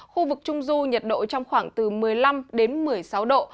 khu vực trung du nhiệt độ trong khoảng từ một mươi năm đến một mươi sáu độ